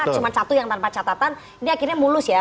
cuma satu yang tanpa catatan ini akhirnya mulus ya